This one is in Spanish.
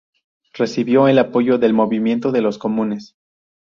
Recibió el apoyo del Movimiento de los Comunes.